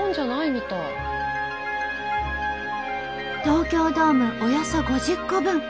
東京ドームおよそ５０個分。